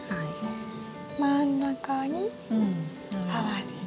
真ん中に合わせて。